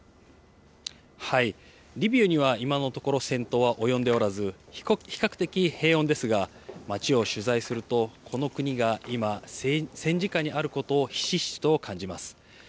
リビウには、今のところ戦闘は及んでおらず、比較的平穏ですが、町を取材すると、この国が今、戦時下にあることをひしひしと感じます。